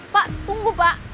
pak tunggu pak